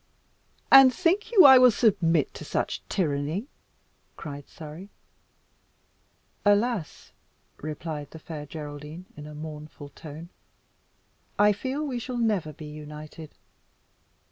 "And think you I will submit to such tyranny?" cried Surrey. "Alas!" replied the Fair Geraldine in a mournful tone, "I feel we shall never be united.